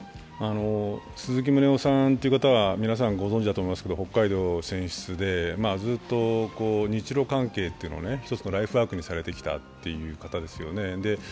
鈴木宗男さんという方は皆さんご存じだと思いますけれども、北海道選出でずっと日露関係を一つのライフワークにしてきた方ですよね。